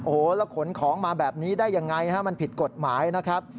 โอ้โหแล้วขนของมาแบบนี้ได้ยังไงฮะมันผิดกฎหมายนะครับ